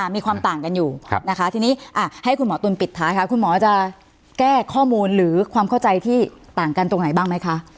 มีความต่างกันอยู่นะคะทีนี้ให้คุณหมอตุ๋นปิดท้ายค่ะคุณหมอจะแก้ข้อมูลหรือความเข้าใจที่ต่างกันตรงไหนบ้างไหมคะ